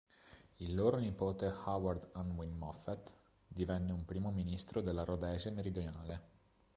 Il loro nipote Howard Unwin Moffat divenne un primo ministro della Rhodesia Meridionale.